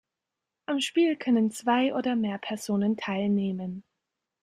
Am Spiel können zwei oder mehr Personen teilnehmen.